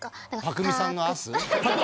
パクミさんの「アス」？